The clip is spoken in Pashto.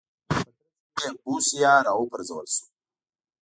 په ترڅ کې یې بوسیا راوپرځول شو.